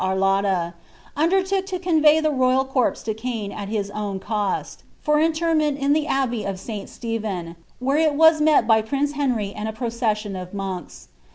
A^ lolla, — undertook lo convoy die royal corpse lo Caen at his own eo* lor intcnneni in the abbey of St. Stephen, where il was met by piian Henry and a procession of monks.